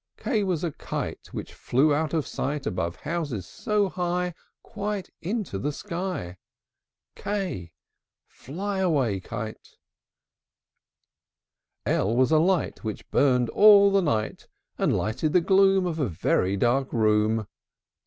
K K was a kite Which flew out of sight, Above houses so high, Quite into the sky. k Fly away, kite! L L was a light Which burned all the night, And lighted the gloom Of a very dark room.